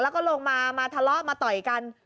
แล้วก็ลงมามาทะเลาะมาต่อยกัน